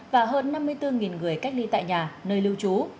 và hơn năm mươi bốn người cách ly tại nhà nơi lưu trú